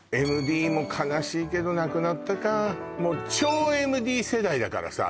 「ＭＤ」も悲しいけどなくなったかもう超ＭＤ世代だからさ